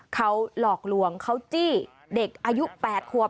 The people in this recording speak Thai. เขาหลอกลวงเขาจี้เด็กอายุ๘ควบ